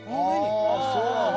あぁそうなんだ。